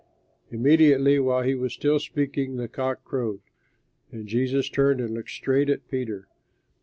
Immediately while he was still speaking, the cock crowed. And Jesus turned and looked straight at Peter.